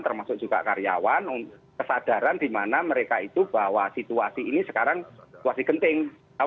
termasuk juga karyawan kesadaran di mana mereka itu bahwa situasi ini sekarang situasi genting